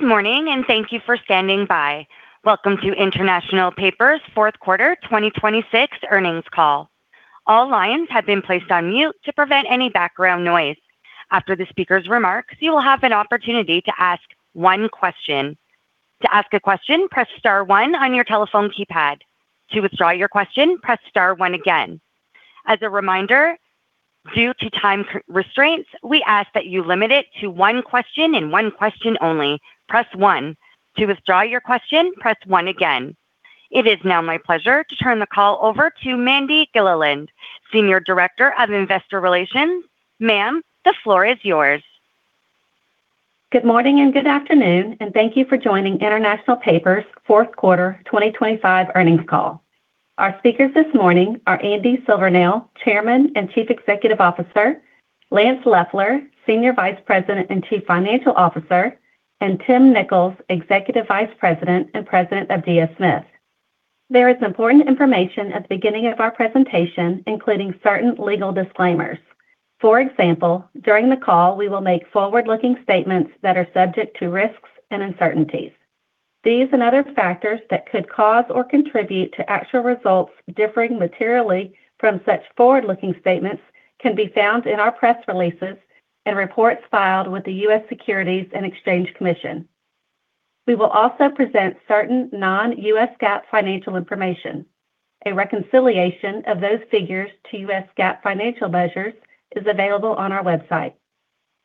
Good morning, and thank you for standing by. Welcome to International Paper's fourth quarter 2026 earnings call. All lines have been placed on mute to prevent any background noise. After the speaker's remarks, you will have an opportunity to ask one question. To ask a question, press star one on your telephone keypad. To withdraw your question, press star one again. As a reminder, due to time constraints, we ask that you limit it to one question and one question only. Press one. To withdraw your question, press one again. It is now my pleasure to turn the call over to Mandi Gilliland, Senior Director of Investor Relations. Ma'am, the floor is yours. Good morning and good afternoon, and thank you for joining International Paper's fourth quarter 2025 earnings call. Our speakers this morning are Andy Silvernail, Chairman and Chief Executive Officer, Lance Loeffler, Senior Vice President and Chief Financial Officer, and Tim Nicholls, Executive Vice President and President of DS Smith. There is important information at the beginning of our presentation, including certain legal disclaimers. For example, during the call, we will make forward-looking statements that are subject to risks and uncertainties. These and other factors that could cause or contribute to actual results differing materially from such forward-looking statements can be found in our press releases and reports filed with the U.S. Securities and Exchange Commission. We will also present certain non-US GAAP financial information. A reconciliation of those figures to US GAAP financial measures is available on our website.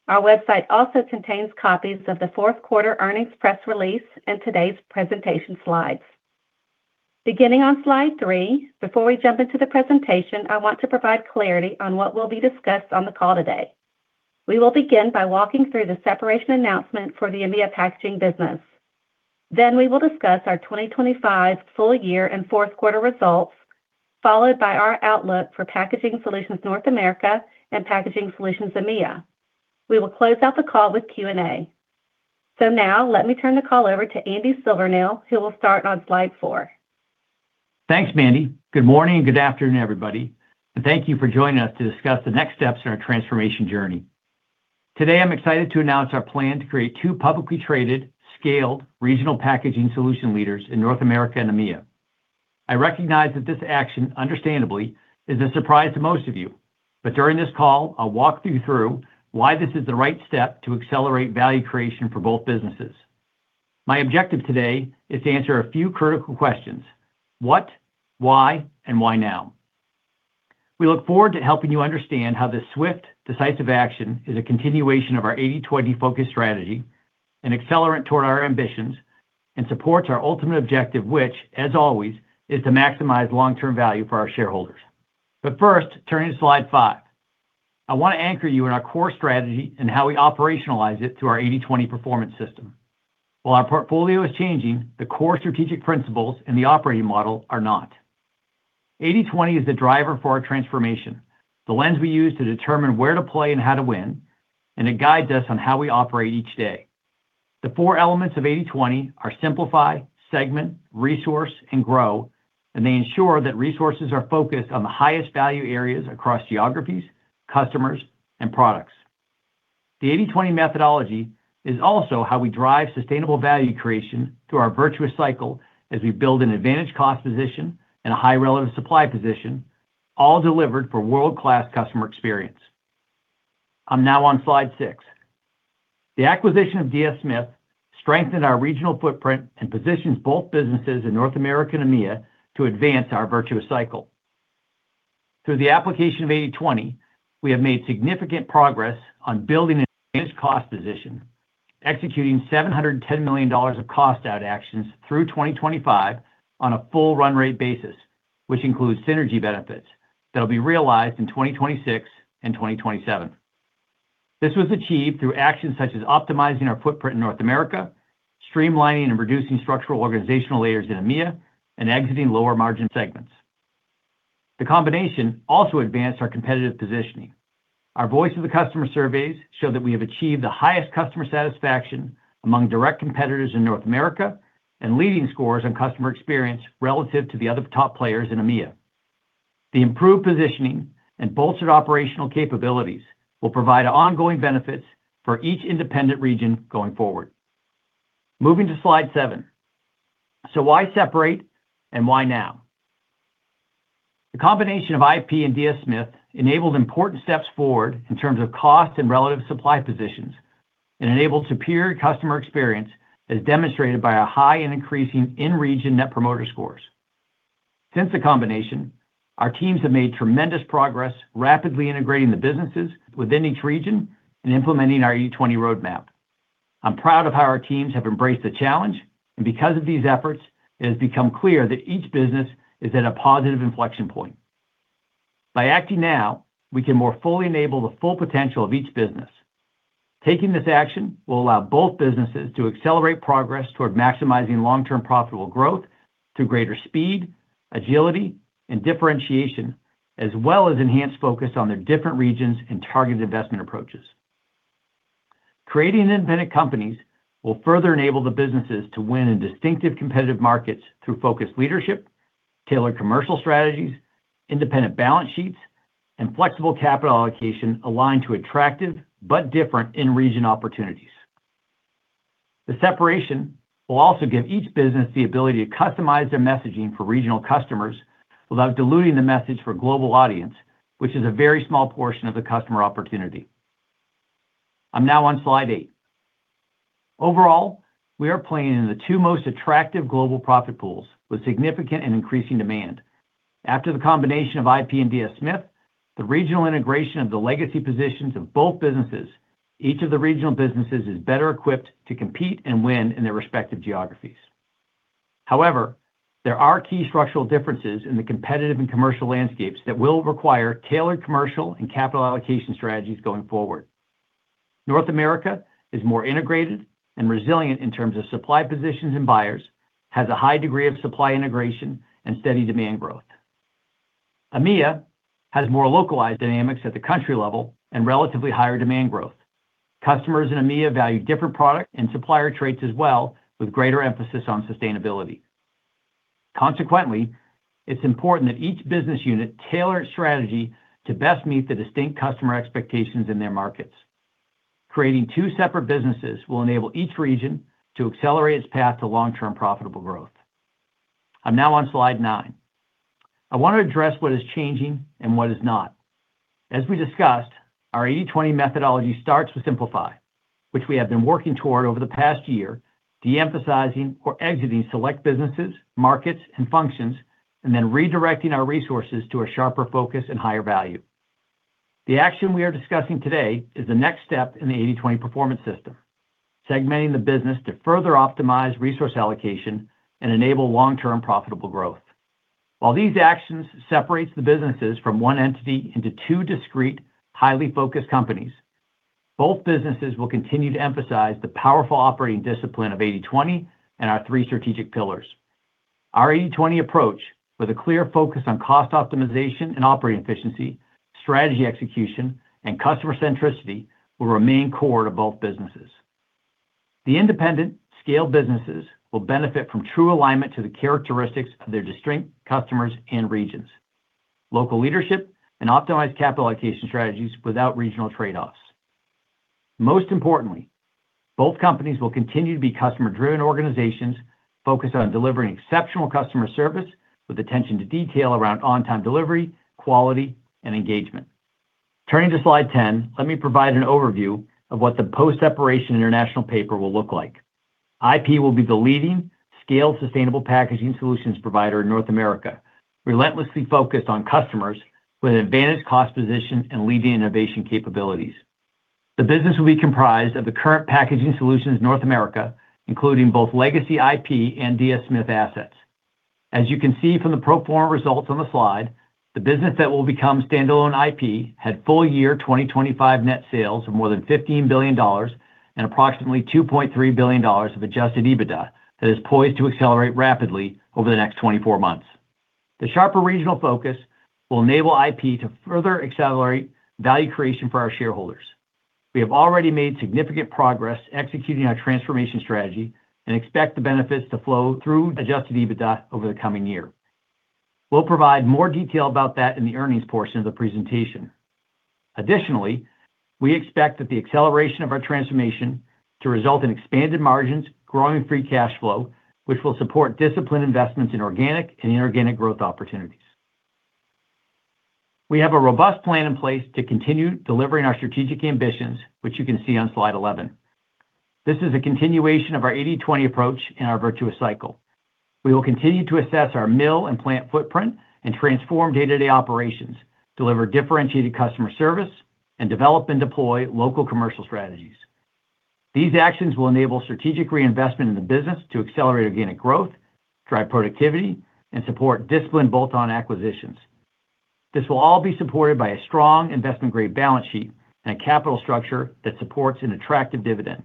Our website also contains copies of the fourth quarter earnings press release and today's presentation slides. Beginning on slide 3, before we jump into the presentation, I want to provide clarity on what will be discussed on the call today. We will begin by walking through the separation announcement for the EMEA Packaging business. Then, we will discuss our 2025 full year and fourth quarter results, followed by our outlook for Packaging Solutions, North America, and Packaging Solutions, EMEA. We will close out the call with Q&A. Now let me turn the call over to Andy Silvernail, who will start on slide 4. Thanks, Mandi. Good morning and good afternoon, everybody, and thank you for joining us to discuss the next steps in our transformation journey. Today, I'm excited to announce our plan to create two publicly traded, scaled, regional packaging solution leaders in North America and EMEA. I recognize that this action, understandably, is a surprise to most of you. During this call, I'll walk you through why this is the right step to accelerate value creation for both businesses. My objective today is to answer a few critical questions: What, why, and why now? We look forward to helping you understand how this swift, decisive action is a continuation of our 80/20 focus strategy, an accelerant toward our ambitions, and supports our ultimate objective, which, as always, is to maximize long-term value for our shareholders. First, turning to slide 5. I want to anchor you in our core strategy and how we operationalize it through our 80/20 performance system. While our portfolio is changing, the core strategic principles and the operating model are not. 80/20 is the driver for our transformation, the lens we use to determine where to play and how to win, and it guides us on how we operate each day. The four elements of 80/20 are simplify, segment, resource, and grow, and they ensure that resources are focused on the highest value areas across geographies, customers, and products. The 80/20 methodology is also how we drive sustainable value creation through our virtuous cycle as we build an advantage cost position and a high relative supply position, all delivered for world-class customer experience. I'm now on slide 6. The acquisition of DS Smith strengthened our regional footprint and positions both businesses in North America and EMEA to advance our virtuous cycle. Through the application of 80/20, we have made significant progress on building an advanced cost position, executing $710 million of cost-out actions through 2025 on a full run rate basis, which includes synergy benefits that'll be realized in 2026 and 2027. This was achieved through actions such as optimizing our footprint in North America, streamlining and reducing structural organizational layers in EMEA, and exiting lower margin segments. The combination also advanced our competitive positioning. Our Voice of the Customer surveys show that we have achieved the highest customer satisfaction among direct competitors in North America, and leading scores on customer experience relative to the other top players in EMEA. The improved positioning and bolstered operational capabilities will provide ongoing benefits for each independent region going forward. Moving to slide 7. So why separate, and why now? The combination of IP and DS Smith enabled important steps forward in terms of cost and relative supply positions and enabled superior customer experience, as demonstrated by a high and increasing in-region Net Promoter Scores. Since the combination, our teams have made tremendous progress, rapidly integrating the businesses within each region and implementing our 80/20 roadmap. I'm proud of how our teams have embraced the challenge, and because of these efforts, it has become clear that each business is at a positive inflection point. By acting now, we can more fully enable the full potential of each business. Taking this action will allow both businesses to accelerate progress toward maximizing long-term profitable growth through greater speed, agility, and differentiation, as well as enhanced focus on their different regions and targeted investment approaches. Creating independent companies will further enable the businesses to win in distinctive competitive markets through focused leadership, tailored commercial strategies, independent balance sheets, and flexible capital allocation aligned to attractive but different in-region opportunities. The separation will also give each business the ability to customize their messaging for regional customers without diluting the message for global audience, which is a very small portion of the customer opportunity. I'm now on slide eight. Overall, we are playing in the two most attractive global profit pools, with significant and increasing demand. After the combination of IP and DS Smith, the regional integration of the legacy positions of both businesses, each of the regional businesses is better equipped to compete and win in their respective geographies. However, there are key structural differences in the competitive and commercial landscapes that will require tailored commercial and capital allocation strategies going forward. North America is more integrated and resilient in terms of supply positions and buyers, has a high degree of supply integration and steady demand growth. EMEA has more localized dynamics at the country level and relatively higher demand growth. Customers in EMEA value different product and supplier traits as well, with greater emphasis on sustainability. Consequently, it's important that each business unit tailor its strategy to best meet the distinct customer expectations in their markets. Creating two separate businesses will enable each region to accelerate its path to long-term profitable growth. I'm now on slide 9. I want to address what is changing and what is not. As we discussed, our 80/20 methodology starts with simplify, which we have been working toward over the past year, de-emphasizing or exiting select businesses, markets, and functions, and then redirecting our resources to a sharper focus and higher value. The action we are discussing today is the next step in the 80/20 performance system, segmenting the business to further optimize resource allocation and enable long-term profitable growth. While these actions separates the businesses from one entity into two discrete, highly focused companies, both businesses will continue to emphasize the powerful operating discipline of 80/20 and our three strategic pillars. Our 80/20 approach, with a clear focus on cost optimization and operating efficiency, strategy execution, and customer centricity, will remain core to both businesses. The independent scale businesses will benefit from true alignment to the characteristics of their distinct customers and regions, local leadership, and optimized capital allocation strategies without regional trade-offs. Most importantly, both companies will continue to be customer-driven organizations, focused on delivering exceptional customer service with attention to detail around on-time delivery, quality, and engagement. Turning to slide 10, let me provide an overview of what the post-separation International Paper will look like. IP will be the leading scale sustainable packaging solutions provider in North America, relentlessly focused on customers with an advantage cost position and leading innovation capabilities. The business will be comprised of the current Packaging Solutions North America, including both legacy IP and DS Smith assets. As you can see from the pro forma results on the slide, the business that will become standalone IP had full year 2025 net sales of more than $15 billion and approximately $2.3 billion of adjusted EBITDA that is poised to accelerate rapidly over the next 24 months. The sharper regional focus will enable IP to further accelerate value creation for our shareholders. We have already made significant progress executing our transformation strategy and expect the benefits to flow through adjusted EBITDA over the coming year. We'll provide more detail about that in the earnings portion of the presentation. Additionally, we expect that the acceleration of our transformation to result in expanded margins, growing free cash flow, which will support disciplined investments in organic and inorganic growth opportunities. We have a robust plan in place to continue delivering our strategic ambitions, which you can see on slide 11. This is a continuation of our 80/20 approach in our virtuous cycle. We will continue to assess our mill and plant footprint and transform day-to-day operations, deliver differentiated customer service, and develop and deploy local commercial strategies. These actions will enable strategic reinvestment in the business to accelerate organic growth, drive productivity, and support disciplined bolt-on acquisitions. This will all be supported by a strong investment-grade balance sheet and a capital structure that supports an attractive dividend.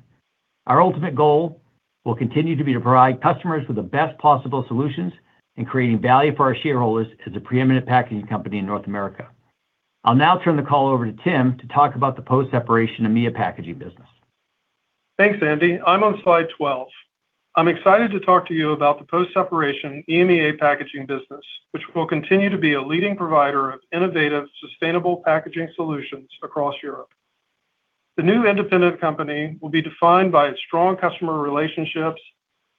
Our ultimate goal will continue to be to provide customers with the best possible solutions and creating value for our shareholders as a preeminent packaging company in North America. I'll now turn the call over to Tim to talk about the post-separation EMEA Packaging business. Thanks, Andy. I'm on slide 12. I'm excited to talk to you about the post-separation EMEA Packaging business, which will continue to be a leading provider of innovative, sustainable packaging solutions across Europe. The new independent company will be defined by its strong customer relationships,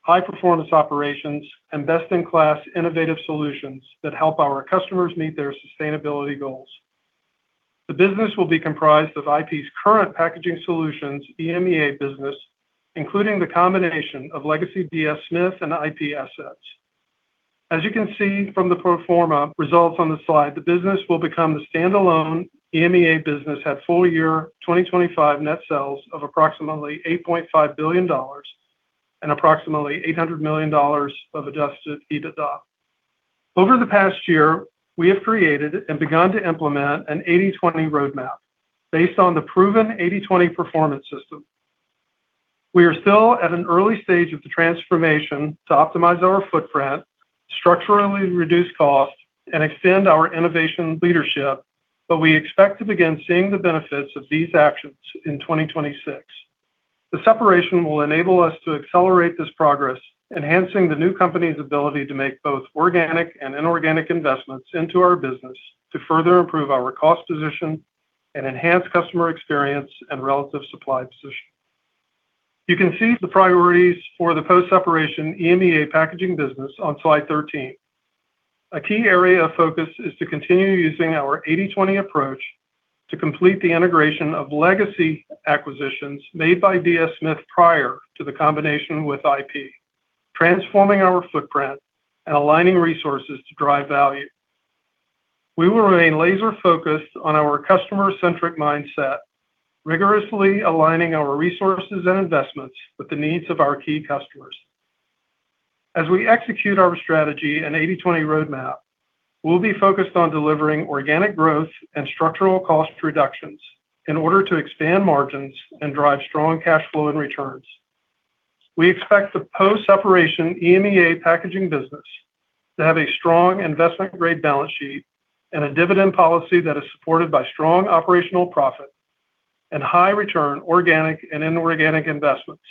high-performance operations, and best-in-class innovative solutions that help our customers meet their sustainability goals. The business will be comprised of IP's current packaging solutions, EMEA business, including the combination of legacy DS Smith and IP assets. As you can see from the pro forma results on the slide, the business will become the standalone EMEA business, had full year 2025 net sales of approximately $8.5 billion and approximately $800 million of Adjusted EBITDA. Over the past year, we have created and begun to implement an 80/20 roadmap based on the proven 80/20 performance system. We are still at an early stage of the transformation to optimize our footprint, structurally reduce costs, and extend our innovation leadership, but we expect to begin seeing the benefits of these actions in 2026. The separation will enable us to accelerate this progress, enhancing the new company's ability to make both organic and inorganic investments into our business to further improve our cost position and enhance customer experience and relative supply position. You can see the priorities for the post-separation EMEA Packaging business on slide 13. A key area of focus is to continue using our 80/20 approach to complete the integration of legacy acquisitions made by DS Smith prior to the combination with IP, transforming our footprint and aligning resources to drive value. We will remain laser-focused on our customer-centric mindset, rigorously aligning our resources and investments with the needs of our key customers. As we execute our strategy and 80/20 roadmap, we'll be focused on delivering organic growth and structural cost reductions in order to expand margins and drive strong cash flow and returns. We expect the post-separation EMEA Packaging business to have a strong investment-grade balance sheet and a dividend policy that is supported by strong operational profit and high return organic and inorganic investments.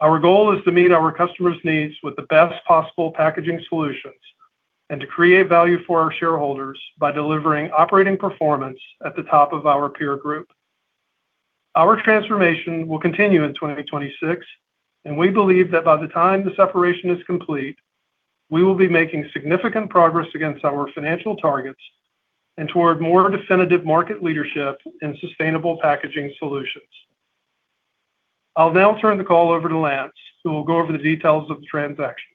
Our goal is to meet our customers' needs with the best possible packaging solutions and to create value for our shareholders by delivering operating performance at the top of our peer group. Our transformation will continue in 2026, and we believe that by the time the separation is complete, we will be making significant progress against our financial targets and toward more definitive market leadership in sustainable packaging solutions. I'll now turn the call over to Lance, who will go over the details of the transaction.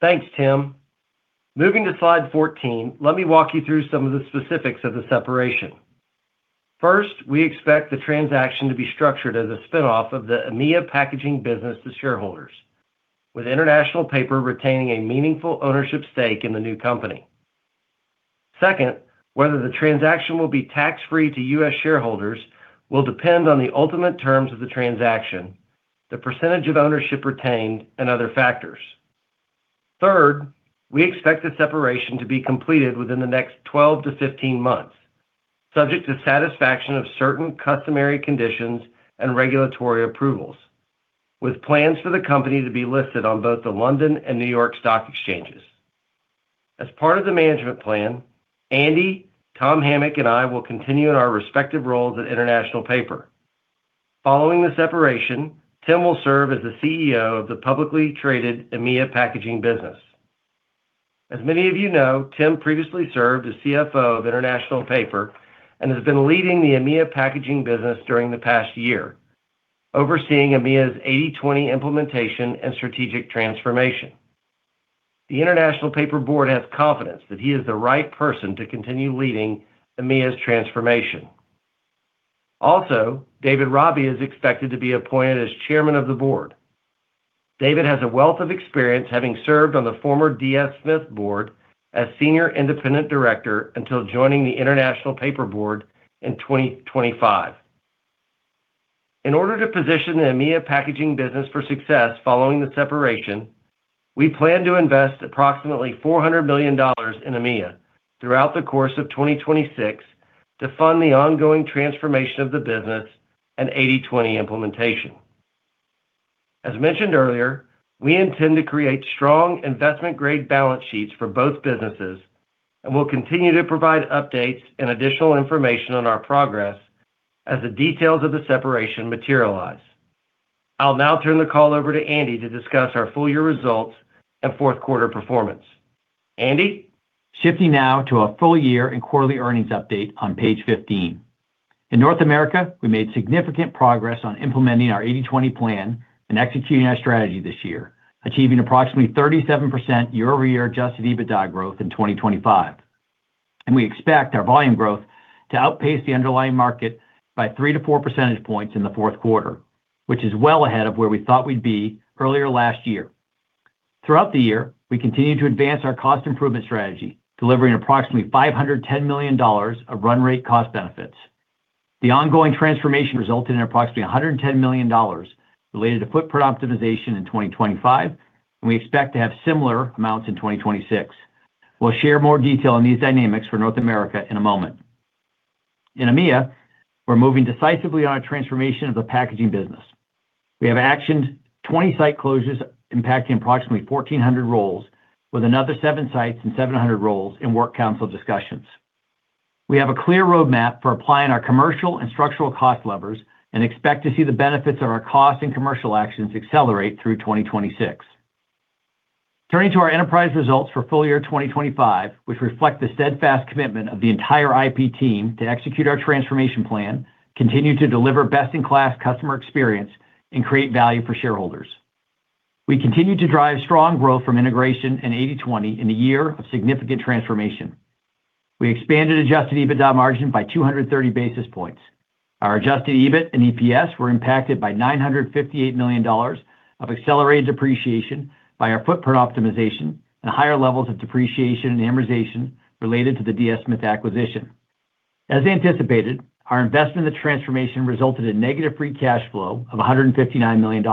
Thanks, Tim. Moving to slide 14, let me walk you through some of the specifics of the separation. First, we expect the transaction to be structured as a spin-off of the EMEA Packaging business to shareholders, with International Paper retaining a meaningful ownership stake in the new company. Second, whether the transaction will be tax-free to U.S. shareholders will depend on the ultimate terms of the transaction, the percentage of ownership retained, and other factors. Third, we expect the separation to be completed within the next 12-15 months, subject to satisfaction of certain customary conditions and regulatory approvals, with plans for the company to be listed on both the London and New York Stock Exchanges. As part of the management plan, Andy, Tom Hamic, and I will continue in our respective roles at International Paper. Following the separation, Tim will serve as the CEO of the publicly traded EMEA Packaging business. As many of you know, Tim previously served as CFO of International Paper and has been leading the EMEA Packaging business during the past year, overseeing EMEA's 80/20 implementation and strategic transformation. The International Paper board has confidence that he is the right person to continue leading EMEA's transformation. Also, David Robbie is expected to be appointed as chairman of the board. David has a wealth of experience, having served on the former DS Smith board as senior independent director until joining the International Paper board in 2025. In order to position the EMEA Packaging business for success following the separation, we plan to invest approximately $400 million in EMEA throughout the course of 2026 to fund the ongoing transformation of the business and 80/20 implementation. As mentioned earlier, we intend to create strong investment-grade balance sheets for both businesses, and we'll continue to provide updates and additional information on our progress as the details of the separation materialize. I'll now turn the call over to Andy to discuss our full year results and fourth quarter performance. Andy? Shifting now to our full year and quarterly earnings update on page 15. In North America, we made significant progress on implementing our 80/20 plan and executing our strategy this year, achieving approximately 37% year-over-year adjusted EBITDA growth in 2025. And we expect our volume growth to outpace the underlying market by 3-4 percentage points in the fourth quarter, which is well ahead of where we thought we'd be earlier last year. Throughout the year, we continued to advance our cost improvement strategy, delivering approximately $510 million of run rate cost benefits. The ongoing transformation resulted in approximately $110 million related to footprint optimization in 2025, and we expect to have similar amounts in 2026. We'll share more detail on these dynamics for North America in a moment. In EMEA, we're moving decisively on our transformation of the packaging business. We have actioned 20 site closures, impacting approximately 1,400 roles, with another 7 sites and 700 roles in works council discussions. We have a clear roadmap for applying our commercial and structural cost levers and expect to see the benefits of our cost and commercial actions accelerate through 2026. Turning to our enterprise results for full year 2025, which reflect the steadfast commitment of the entire IP team to execute our transformation plan, continue to deliver best-in-class customer experience, and create value for shareholders. We continued to drive strong growth from integration and 80/20 in a year of significant transformation. We expanded adjusted EBITDA margin by 230 basis points. Our adjusted EBIT and EPS were impacted by $958 million of accelerated depreciation by our footprint optimization and higher levels of depreciation and amortization related to the DS Smith acquisition. As anticipated, our investment in the transformation resulted in negative free cash flow of $159 million.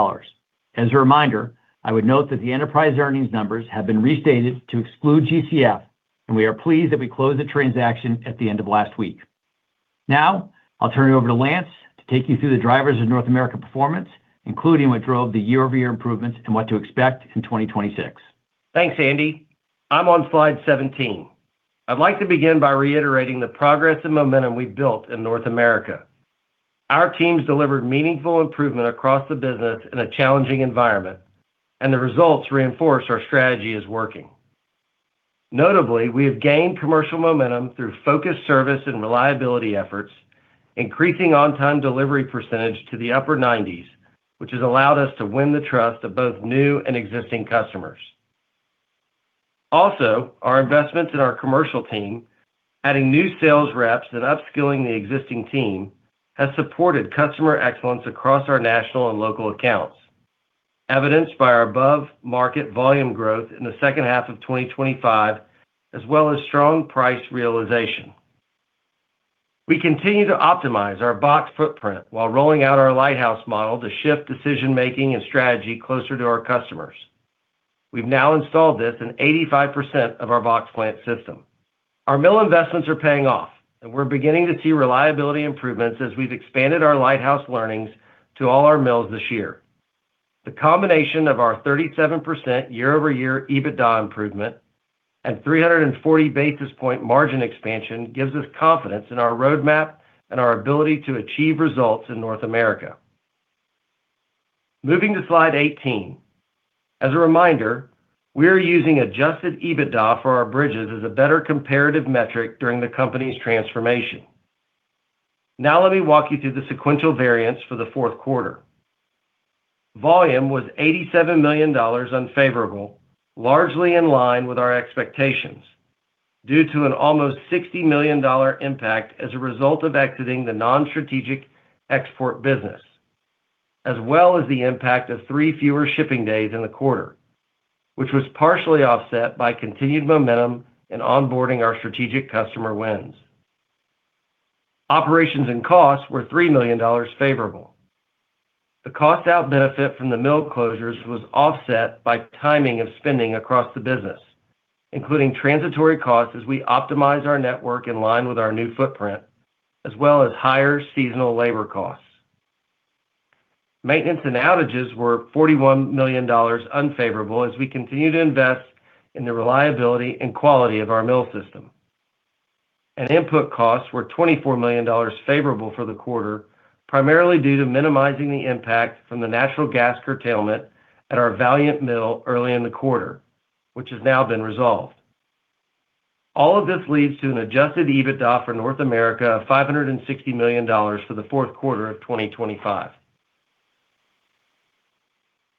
As a reminder, I would note that the enterprise earnings numbers have been restated to exclude GCF, and we are pleased that we closed the transaction at the end of last week. Now, I'll turn it over to Lance to take you through the drivers of North America performance, including what drove the year-over-year improvements and what to expect in 2026. Thanks, Andy. I'm on slide 17. I'd like to begin by reiterating the progress and momentum we've built in North America. Our teams delivered meaningful improvement across the business in a challenging environment, and the results reinforce our strategy is working. Notably, we have gained commercial momentum through focused service and reliability efforts, increasing on-time delivery percentage to the upper 90s, which has allowed us to win the trust of both new and existing customers. Also, our investments in our commercial team, adding new sales reps and upskilling the existing team, has supported customer excellence across our national and local accounts, evidenced by our above-market volume growth in the second half of 2025, as well as strong price realization. We continue to optimize our box footprint while rolling out our Lighthouse model to shift decision-making and strategy closer to our customers. We've now installed this in 85% of our box plant system. Our mill investments are paying off, and we're beginning to see reliability improvements as we've expanded our Lighthouse learnings to all our mills this year. The combination of our 37% year-over-year EBITDA improvement and 340 basis point margin expansion gives us confidence in our roadmap and our ability to achieve results in North America. Moving to Slide 18. As a reminder, we are using adjusted EBITDA for our bridges as a better comparative metric during the company's transformation. Now, let me walk you through the sequential variance for the fourth quarter. Volume was $87 million unfavorable, largely in line with our expectations, due to an almost $60 million impact as a result of exiting the non-strategic export business, as well as the impact of 3 fewer shipping days in the quarter, which was partially offset by continued momentum in onboarding our strategic customer wins. Operations and costs were $3 million favorable. The cost-out benefit from the mill closures was offset by timing of spending across the business, including transitory costs as we optimize our network in line with our new footprint, as well as higher seasonal labor costs. Maintenance and outages were $41 million unfavorable as we continue to invest in the reliability and quality of our mill system. Input costs were $24 million favorable for the quarter, primarily due to minimizing the impact from the natural gas curtailment at our Valliant Mill early in the quarter, which has now been resolved. All of this leads to an adjusted EBITDA for North America of $560 million for the fourth quarter of 2025.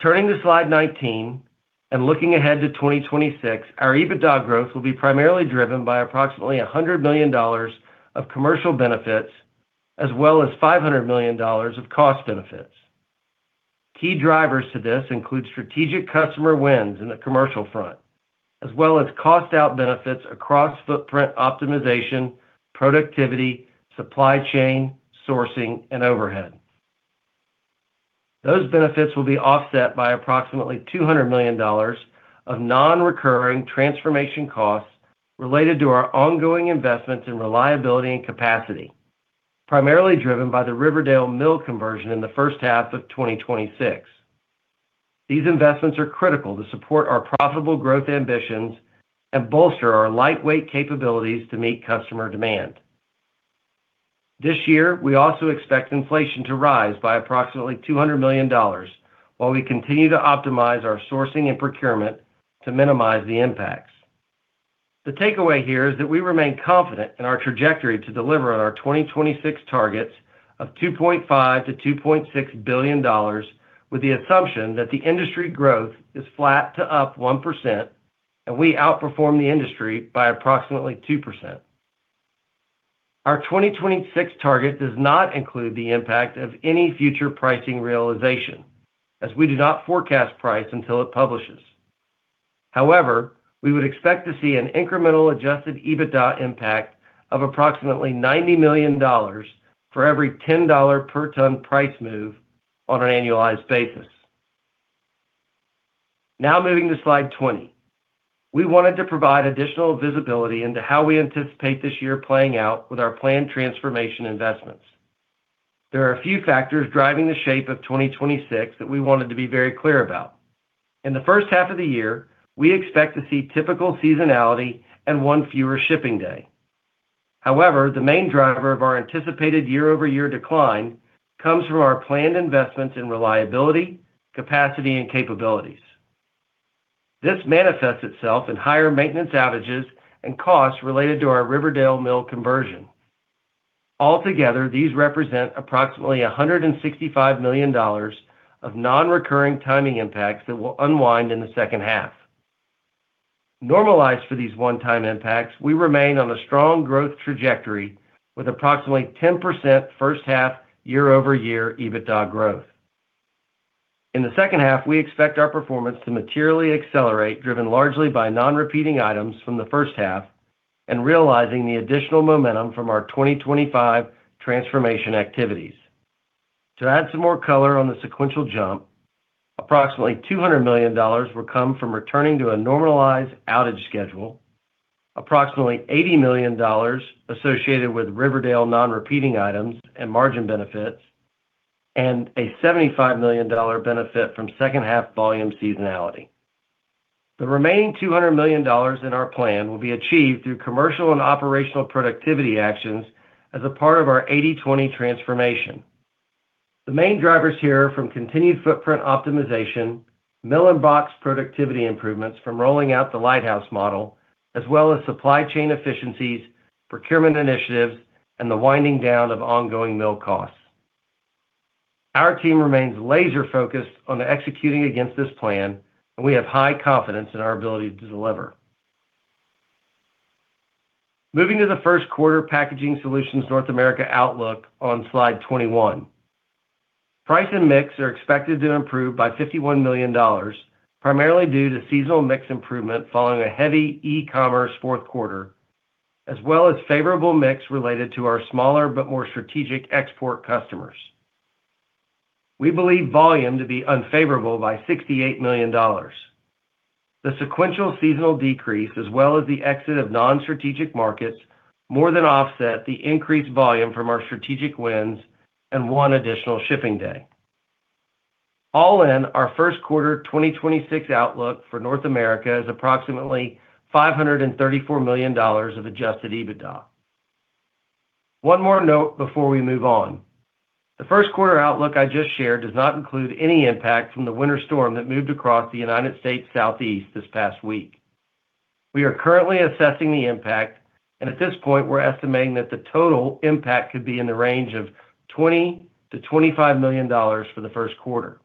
Turning to Slide 19, and looking ahead to 2026, our EBITDA growth will be primarily driven by approximately $100 million of commercial benefits, as well as $500 million of cost benefits. Key drivers to this include strategic customer wins in the commercial front, as well as cost-out benefits across footprint optimization, productivity, supply chain, sourcing, and overhead. Those benefits will be offset by approximately $200 million of non-recurring transformation costs related to our ongoing investments in reliability and capacity, primarily driven by the Riverdale Mill conversion in the first half of 2026. These investments are critical to support our profitable growth ambitions and bolster our lightweight capabilities to meet customer demand. This year, we also expect inflation to rise by approximately $200 million, while we continue to optimize our sourcing and procurement to minimize the impacts. The takeaway here is that we remain confident in our trajectory to deliver on our 2026 targets of $2.5 billion-$2.6 billion, with the assumption that the industry growth is flat to up 1%, and we outperform the industry by approximately 2%. Our 2026 target does not include the impact of any future pricing realization, as we do not forecast price until it publishes. However, we would expect to see an incremental Adjusted EBITDA impact of approximately $90 million for every $10 per ton price move on an annualized basis. Now, moving to Slide 20. We wanted to provide additional visibility into how we anticipate this year playing out with our planned transformation investments. There are a few factors driving the shape of 2026 that we wanted to be very clear about. In the first half of the year, we expect to see typical seasonality and one fewer shipping day. However, the main driver of our anticipated year-over-year decline comes from our planned investments in reliability, capacity, and capabilities. This manifests itself in higher maintenance outages and costs related to our Riverdale Mill conversion. Altogether, these represent approximately $165 million of non-recurring timing impacts that will unwind in the second half. Normalized for these one-time impacts, we remain on a strong growth trajectory with approximately 10% first half year-over-year EBITDA growth. In the second half, we expect our performance to materially accelerate, driven largely by non-repeating items from the first half and realizing the additional momentum from our 2025 transformation activities.... To add some more color on the sequential jump, approximately $200 million will come from returning to a normalized outage schedule, approximately $80 million associated with Riverdale non-repeating items and margin benefits, and a $75 million benefit from second half volume seasonality. The remaining $200 million in our plan will be achieved through commercial and operational productivity actions as a part of our 80/20 transformation. The main drivers here are from continued footprint optimization, mill and box productivity improvements from rolling out the Lighthouse model, as well as supply chain efficiencies, procurement initiatives, and the winding down of ongoing mill costs. Our team remains laser-focused on executing against this plan, and we have high confidence in our ability to deliver. Moving to the first quarter Packaging Solutions North America outlook on slide 21. Price and mix are expected to improve by $51 million, primarily due to seasonal mix improvement following a heavy e-commerce fourth quarter, as well as favorable mix related to our smaller but more strategic export customers. We believe volume to be unfavorable by $68 million. The sequential seasonal decrease, as well as the exit of non-strategic markets, more than offset the increased volume from our strategic wins and one additional shipping day. All in, our first quarter 2026 outlook for North America is approximately $534 million of adjusted EBITDA. One more note before we move on. The first quarter outlook I just shared does not include any impact from the winter storm that moved across the United States Southeast this past week. We are currently assessing the impact, and at this point, we're estimating that the total impact could be in the range of $20 million-$25 million for the first quarter.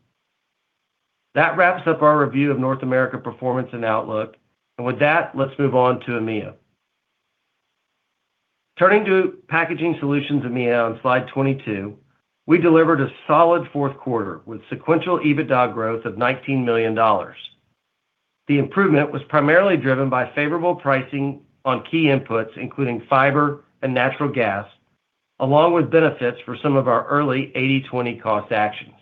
That wraps up our review of North America performance and outlook, and with that, let's move on to EMEA. Turning to Packaging Solutions EMEA on slide 22, we delivered a solid fourth quarter with sequential EBITDA growth of $19 million. The improvement was primarily driven by favorable pricing on key inputs, including fiber and natural gas, along with benefits for some of our early 80/20 cost actions.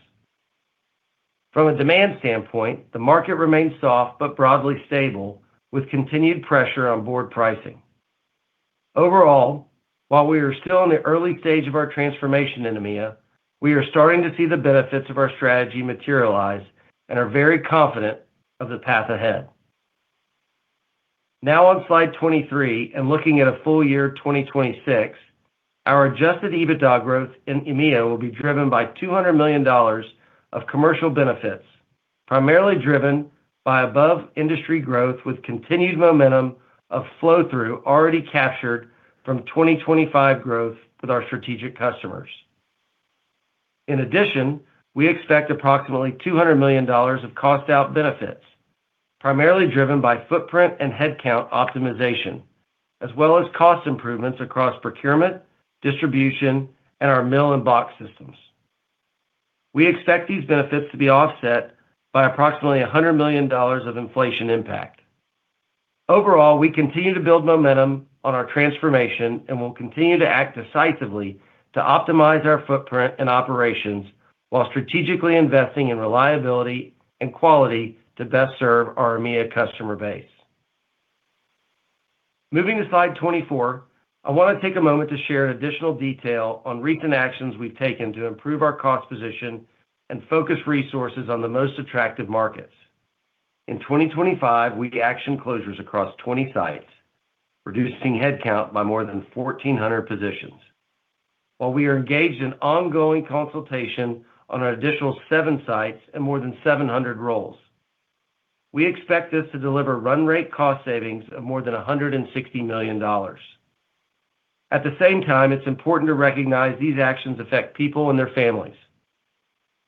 From a demand standpoint, the market remains soft but broadly stable, with continued pressure on board pricing. Overall, while we are still in the early stage of our transformation in EMEA, we are starting to see the benefits of our strategy materialize and are very confident of the path ahead. Now on slide 23, and looking at a full year 2026, our adjusted EBITDA growth in EMEA will be driven by $200 million of commercial benefits, primarily driven by above-industry growth, with continued momentum of flow-through already captured from 2025 growth with our strategic customers. In addition, we expect approximately $200 million of cost-out benefits, primarily driven by footprint and headcount optimization, as well as cost improvements across procurement, distribution, and our mill and box systems. We expect these benefits to be offset by approximately $100 million of inflation impact. Overall, we continue to build momentum on our transformation and will continue to act decisively to optimize our footprint and operations while strategically investing in reliability and quality to best serve our EMEA customer base. Moving to slide 24, I want to take a moment to share additional detail on recent actions we've taken to improve our cost position and focus resources on the most attractive markets. In 2025, we actioned closures across 20 sites, reducing headcount by more than 1,400 positions. While we are engaged in ongoing consultation on an additional 7 sites and more than 700 roles, we expect this to deliver run rate cost savings of more than $160 million. At the same time, it's important to recognize these actions affect people and their families.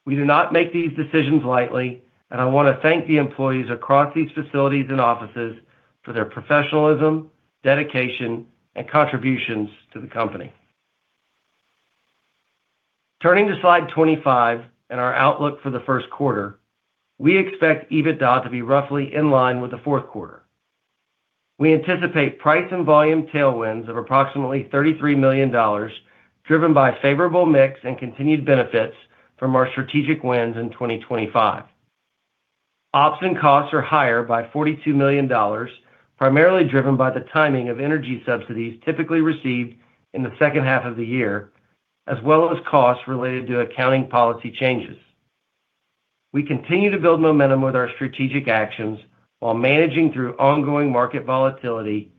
We do not make these decisions lightly, and I want to thank the employees across these facilities and offices for their professionalism, dedication, and contributions to the company. Turning to slide 25 and our outlook for the first quarter, we expect EBITDA to be roughly in line with the fourth quarter. We anticipate price and volume tailwinds of approximately $33 million, driven by favorable mix and continued benefits from our strategic wins in 2025. Ops and costs are higher by $42 million, primarily driven by the timing of energy subsidies typically received in the second half of the year, as well as costs related to accounting policy changes. We continue to build momentum with our strategic actions while managing through ongoing market volatility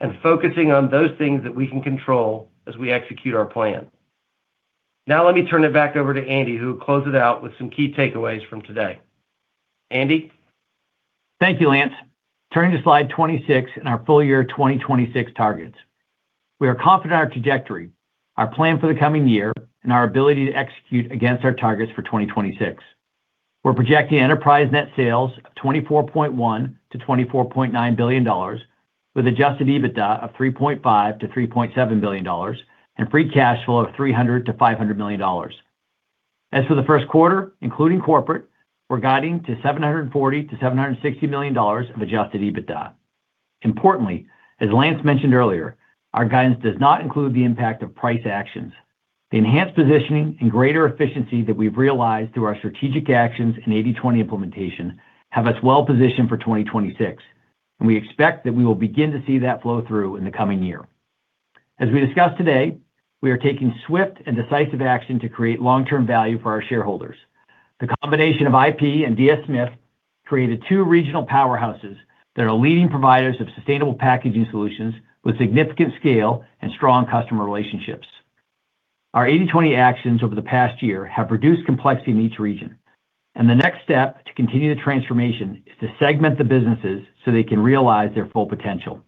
and focusing on those things that we can control as we execute our plan. Now, let me turn it back over to Andy, who will close it out with some key takeaways from today. Andy? Thank you, Lance. Turning to slide 26 and our full year 2026 targets. We are confident in our trajectory, our plan for the coming year, and our ability to execute against our targets for 2026. We're projecting enterprise net sales of $24.1 billion-$24.9 billion, with adjusted EBITDA of $3.5 billion-$3.7 billion and free cash flow of $300 million-$500 million. As for the first quarter, including corporate, we're guiding to $740 million-$760 million of adjusted EBITDA.... Importantly, as Lance mentioned earlier, our guidance does not include the impact of price actions. The enhanced positioning and greater efficiency that we've realized through our strategic actions and 80/20 implementation have us well positioned for 2026, and we expect that we will begin to see that flow through in the coming year. As we discussed today, we are taking swift and decisive action to create long-term value for our shareholders. The combination of IP and DS Smith created two regional powerhouses that are leading providers of sustainable packaging solutions with significant scale and strong customer relationships. Our 80/20 actions over the past year have reduced complexity in each region, and the next step to continue the transformation is to segment the businesses so they can realize their full potential.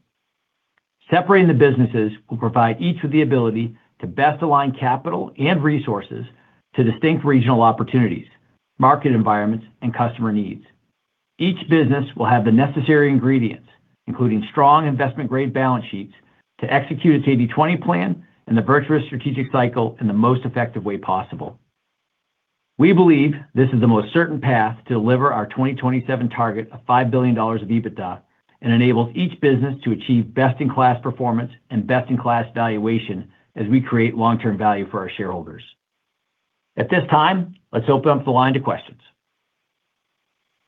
Separating the businesses will provide each with the ability to best align capital and resources to distinct regional opportunities, market environments, and customer needs. Each business will have the necessary ingredients, including strong investment-grade balance sheets, to execute its 80/20 plan and the virtuous strategic cycle in the most effective way possible. We believe this is the most certain path to deliver our 2027 target of $5 billion of EBITDA, and enables each business to achieve best-in-class performance and best-in-class valuation as we create long-term value for our shareholders. At this time, let's open up the line to questions.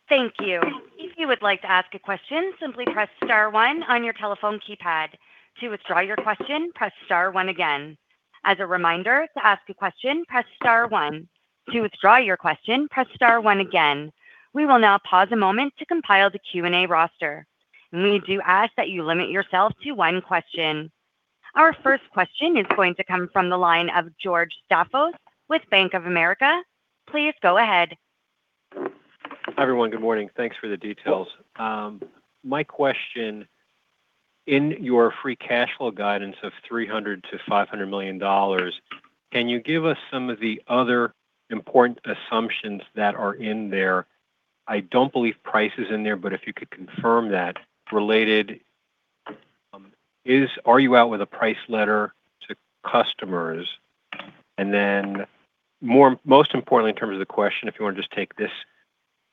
Thank you. If you would like to ask a question, simply press star one on your telephone keypad. To withdraw your question, press star one again. As a reminder, to ask a question, press star one. To withdraw your question, press star one again. We will now pause a moment to compile the Q&A roster. We do ask that you limit yourself to one question. Our first question is going to come from the line of George Staphos with Bank of America. Please go ahead. Hi, everyone. Good morning. Thanks for the details. My question: in your Free Cash Flow guidance of $300 million-$500 million, can you give us some of the other important assumptions that are in there? I don't believe price is in there, but if you could confirm that. Related, are you out with a price letter to customers? And then most importantly, in terms of the question, if you want to just take this,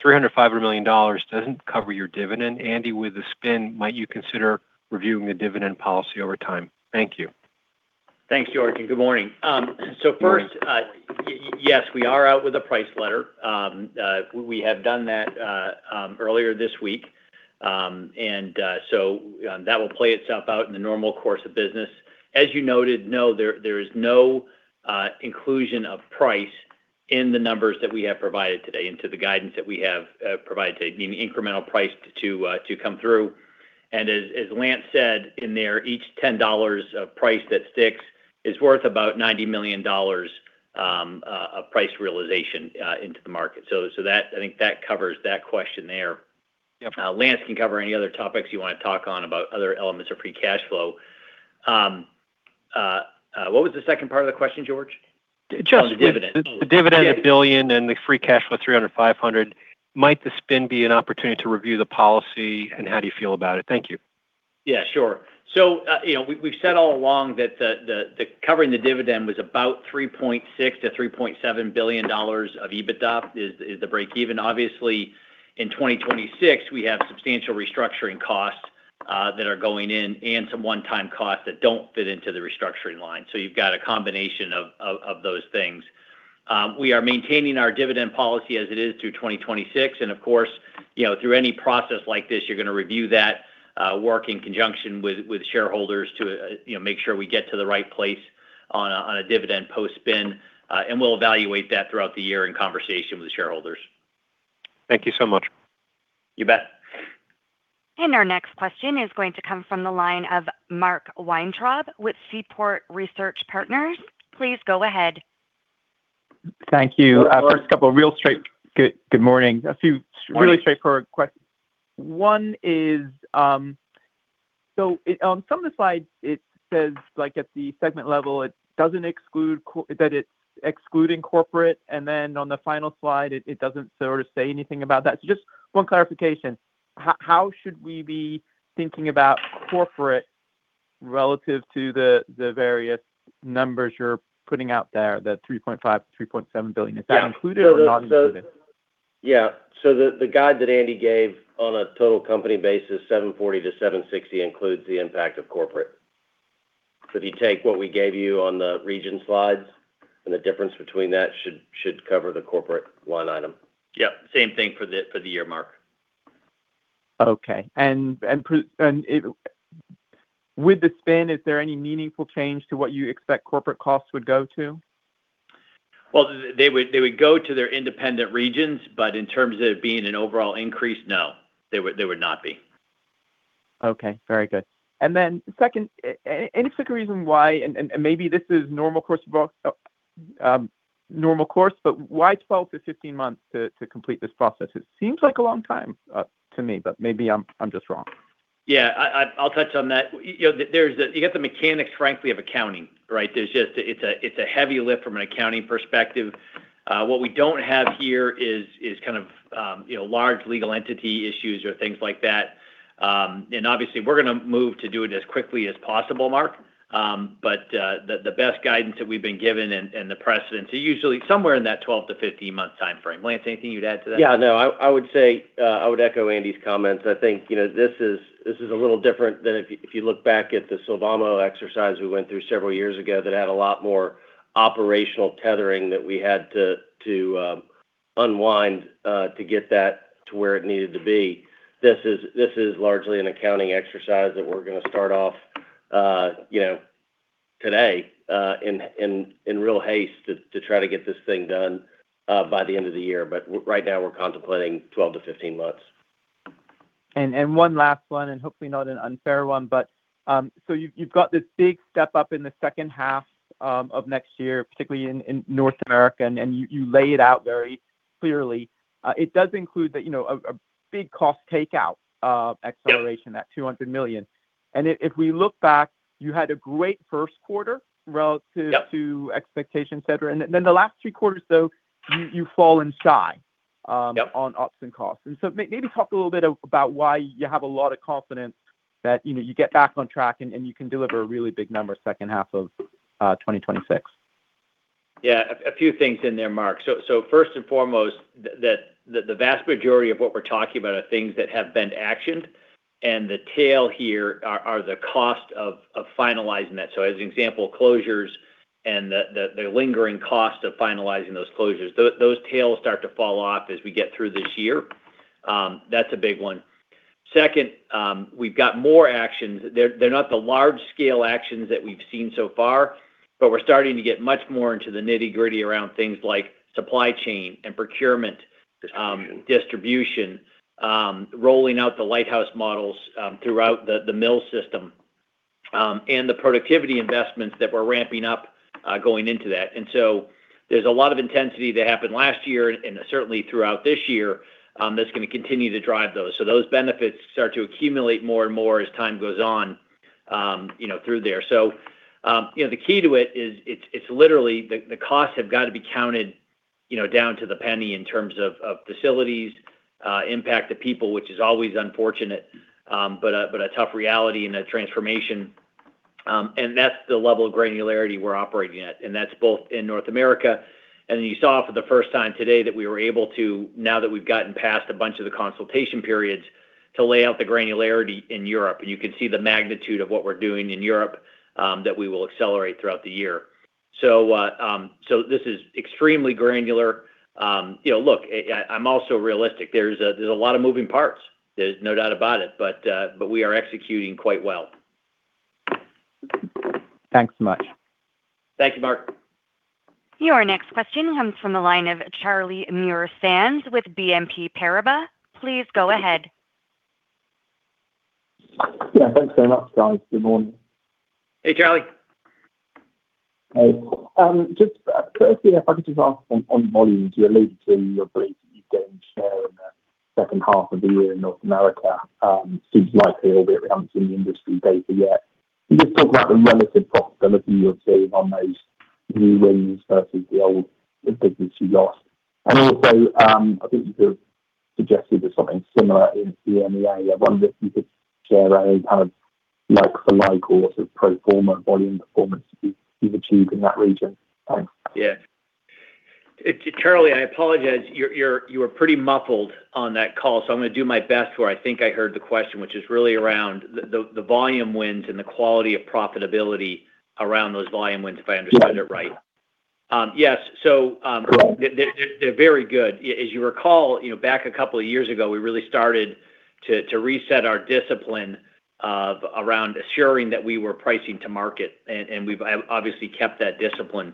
$300 million-$500 million doesn't cover your dividend. Andy, with the spin, might you consider reviewing the dividend policy over time? Thank you. Thanks, George, and good morning. So first, yes, we are out with a price letter. We have done that earlier this week. And so, that will play itself out in the normal course of business. As you noted, no, there is no inclusion of price in the numbers that we have provided today and to the guidance that we have provided today, meaning incremental price to come through. And as Lance said, in there, each $10 of price that sticks is worth about $90 million of price realization into the market. So, that. I think that covers that question there. Yep. Lance can cover any other topics you want to talk on about other elements of free cash flow. What was the second part of the question, George? Just- On the dividend. The dividend, $1 billion, and the free cash flow, $300 million-$500 million. Might the spin be an opportunity to review the policy, and how do you feel about it? Thank you. Yeah, sure. So, you know, we, we've said all along that the covering the dividend was about $3.6 billion-$3.7 billion of EBITDA is the break even. Obviously, in 2026, we have substantial restructuring costs that are going in and some one-time costs that don't fit into the restructuring line. So you've got a combination of those things. We are maintaining our dividend policy as it is through 2026, and of course, you know, through any process like this, you're gonna review that, work in conjunction with shareholders to, you know, make sure we get to the right place on a dividend post-spin, and we'll evaluate that throughout the year in conversation with the shareholders. Thank you so much. You bet. Our next question is going to come from the line of Mark Weintraub with Seaport Research Partners. Please go ahead. Thank you. Hello, Mark. Good morning. Morning... really straightforward questions. One is, so it on some of the slides, it says, like, at the segment level, it doesn't exclude corporate, that it's excluding corporate, and then on the final slide, it doesn't sort of say anything about that. So just one clarification: How should we be thinking about corporate relative to the various numbers you're putting out there, the $3.5 billion-$3.7 billion- Yeah... Is that included or not included? Yeah. So the guide that Andy gave on a total company basis, $740-$760, includes the impact of corporate. So if you take what we gave you on the region slides, and the difference between that should cover the corporate line item. Yeah, same thing for the year, Mark. Okay. And pre- and post- with the spin, is there any meaningful change to what you expect corporate costs would go to? Well, they would, they would go to their independent regions, but in terms of it being an overall increase, no, they would, they would not be. Okay, very good. And then second, any specific reason why, and maybe this is normal course of business, but why 12-15 months to complete this process? It seems like a long time to me, but maybe I'm just wrong. Yeah. I'll touch on that. You know, there's a you got the mechanics, frankly, of accounting, right? There's just a it's a heavy lift from an accounting perspective. What we don't have here is kind of, you know, large legal entity issues or things like that. And obviously, we're gonna move to do it as quickly as possible, Mark. But, the best guidance that we've been given and the precedents are usually somewhere in that 12- to 15-month timeframe. Lance, anything you'd add to that? Yeah, no, I, I would say I would echo Andy's comments. I think, you know, this is, this is a little different than if you look back at the Sylvamo exercise we went through several years ago that had a lot more operational tethering that we had to unwind to get that to where it needed to be. This is, this is largely an accounting exercise that we're gonna start off, you know, today in real haste to try to get this thing done by the end of the year. But right now, we're contemplating 12-15 months. And one last one, and hopefully not an unfair one, but so you've got this big step up in the second half of next year, particularly in North America, and you lay it out very clearly. It does include the, you know, a big cost takeout acceleration- Yep... that $200 million. And if, if we look back, you had a great first quarter relative- Yep to expectation, et cetera. And then the last three quarters, though, you, you've fallen shy. Yep on ops and costs. So maybe talk a little bit about why you have a lot of confidence that, you know, you get back on track and you can deliver a really big number second half of 2026. Yeah, a few things in there, Mark. So first and foremost, the vast majority of what we're talking about are things that have been actioned, and the tail here are the cost of finalizing that. So as an example, closures and the lingering cost of finalizing those closures. Those tails start to fall off as we get through this year. That's a big one. Second, we've got more actions. They're not the large-scale actions that we've seen so far, but we're starting to get much more into the nitty-gritty around things like supply chain and procurement. Distribution... distribution, rolling out the Lighthouse models throughout the mill system, and the productivity investments that we're ramping up, going into that. And so there's a lot of intensity that happened last year, and certainly throughout this year, that's gonna continue to drive those. So those benefits start to accumulate more and more as time goes on, you know, through there. So, you know, the key to it is it's literally the costs have got to be counted, you know, down to the penny in terms of facilities, impact to people, which is always unfortunate, but a tough reality in a transformation. And that's the level of granularity we're operating at, and that's both in North America... You saw for the first time today that we were able to, now that we've gotten past a bunch of the consultation periods, to lay out the granularity in Europe. You can see the magnitude of what we're doing in Europe, that we will accelerate throughout the year. So, this is extremely granular. You know, look, I, I'm also realistic. There's a lot of moving parts, there's no doubt about it, but we are executing quite well. Thanks so much. Thank you, Mark. Your next question comes from the line of Charlie Muir-Sands with BNP Paribas. Please go ahead. Yeah, thanks so much, guys. Good morning. Hey, Charlie. Hey. Just, firstly, if I could just ask on, on volume, you alluded to your belief that you've gained share in the second half of the year in North America. Seems likely, albeit we haven't seen the industry data yet. Can you just talk about the relative profitability you're seeing on those new wins versus the old business you lost? And also, I think you sort of suggested there's something similar in EMEA. I wonder if you could share any kind of like-for-like or sort of pro forma volume performance you've, you've achieved in that region. Thanks. Yeah. Charlie, I apologize, you're, you were pretty muffled on that call, so I'm gonna do my best to where I think I heard the question, which is really around the volume wins and the quality of profitability around those volume wins, if I understood it right. Yep. Yes, so- Right... they're very good. As you recall, you know, back a couple of years ago, we really started to reset our discipline around ensuring that we were pricing to market, and we've obviously kept that discipline.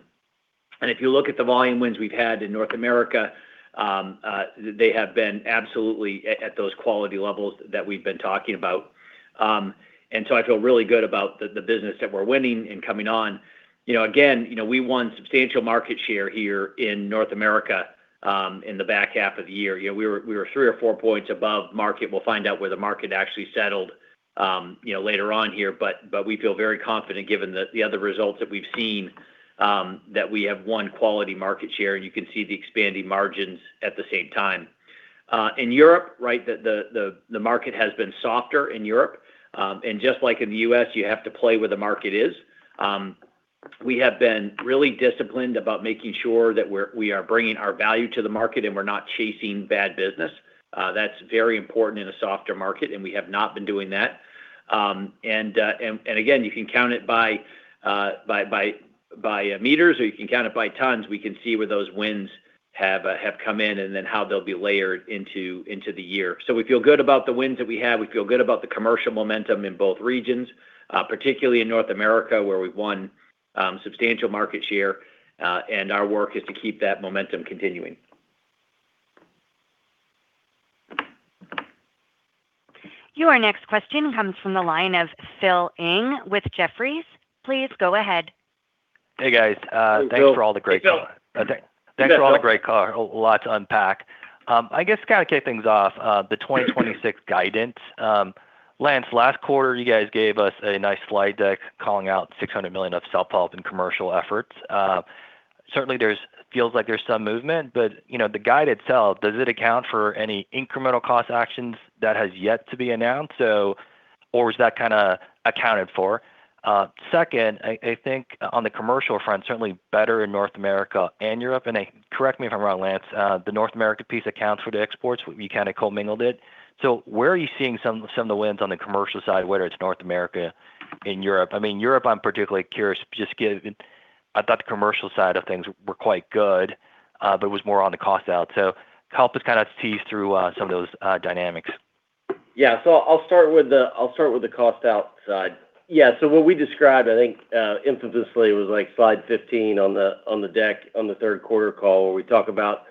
And if you look at the volume wins we've had in North America, they have been absolutely at those quality levels that we've been talking about. And so I feel really good about the business that we're winning and coming on. You know, again, you know, we won substantial market share here in North America in the back half of the year. You know, we were three or four points above market. We'll find out where the market actually settled, you know, later on here, but we feel very confident, given the other results that we've seen, that we have won quality market share, and you can see the expanding margins at the same time. In Europe, right, the market has been softer in Europe, and just like in the US, you have to play where the market is. We have been really disciplined about making sure that we're bringing our value to the market, and we're not chasing bad business. That's very important in a softer market, and we have not been doing that. And again, you can count it by meters, or you can count it by tons. We can see where those wins have have come in, and then how they'll be layered into the year. So we feel good about the wins that we have. We feel good about the commercial momentum in both regions, particularly in North America, where we've won substantial market share, and our work is to keep that momentum continuing. Your next question comes from the line of Phil Ng with Jefferies. Please go ahead. Hey, guys. Hey, Phil. Thanks for all the great- Hey, Phil. Thanks for all the great color. A lot to unpack. I guess to kind of kick things off, the 2026 guidance. Lance, last quarter, you guys gave us a nice slide deck calling out $600 million of self-help and commercial efforts. Certainly, feels like there's some movement, but, you know, the guide itself, does it account for any incremental cost actions that has yet to be announced, so, or is that kinda accounted for? Second, I think on the commercial front, certainly better in North America and Europe, and correct me if I'm wrong, Lance, the North America piece accounts for the exports, you kinda co-mingled it. So where are you seeing some of the wins on the commercial side, whether it's North America and Europe? I mean, Europe, I'm particularly curious, just given I thought the commercial side of things were quite good, but it was more on the cost-out. So help us kinda tease through some of those dynamics. Yeah. So I'll start with the cost-out side. Yeah, so what we described, I think, infamously, was like slide 15 on the deck, on the third quarter call, where we talk about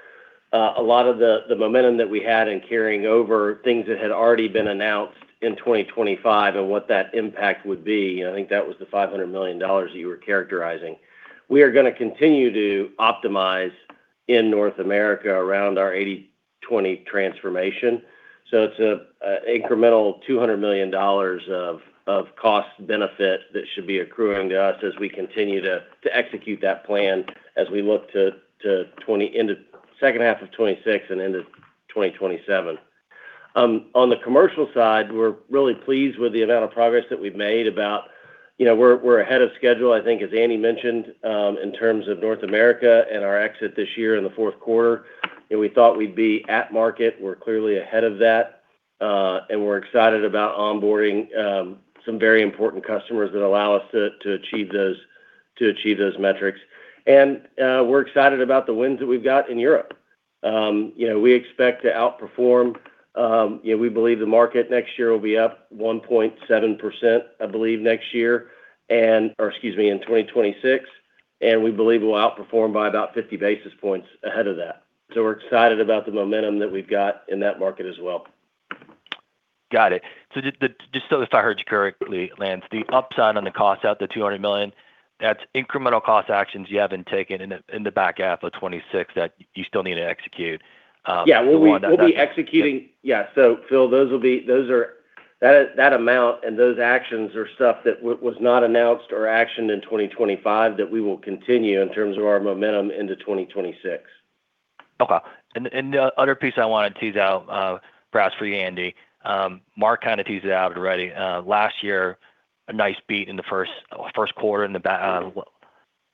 a lot of the momentum that we had in carrying over things that had already been announced in 2025 and what that impact would be. And I think that was the $500 million that you were characterizing. We are gonna continue to optimize in North America around our 80/20 transformation. So it's a incremental $200 million of cost benefit that should be accruing to us as we continue to execute that plan, as we look to into the second half of 2026 and into 2027. On the commercial side, we're really pleased with the amount of progress that we've made. You know, we're ahead of schedule, I think, as Andy mentioned, in terms of North America and our exit this year in the fourth quarter. And we thought we'd be at market. We're clearly ahead of that, and we're excited about onboarding some very important customers that allow us to, to achieve those, to achieve those metrics. And we're excited about the wins that we've got in Europe. You know, we expect to outperform. You know, we believe the market next year will be up 1.7%, I believe, next year, and... Or excuse me, in 2026, and we believe we'll outperform by about 50 basis points ahead of that. We're excited about the momentum that we've got in that market as well. Got it. So just, just so if I heard you correctly, Lance, the upside on the cost-out, the $200 million, that's incremental cost actions you haven't taken in the back half of 2026 that you still need to execute. Yeah. The one that- We'll be executing. Yeah. So Phil, those will be those are that amount and those actions are stuff that was not announced or actioned in 2025 that we will continue in terms of our momentum into 2026. Okay. And the other piece I wanted to tease out, perhaps for you, Andy, Mark kinda teased it out already. Last year, a nice beat in the first quarter, in the back,